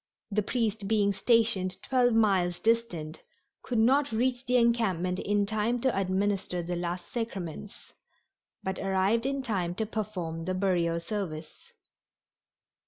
The priest being stationed twelve miles distant could not reach the encampment in time to administer the last sacraments, but arrived in time to perform the burial service.